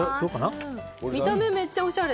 見た目、めっちゃおしゃれ。